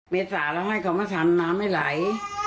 เมษาเราให้เขามาทำน้ำไม่ไหล